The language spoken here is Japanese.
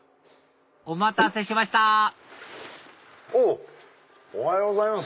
お待たせしましたおっおはようございます。